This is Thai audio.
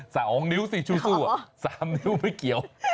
สองนิ้วสิสู้สามนิ้วไม่เกี่ยว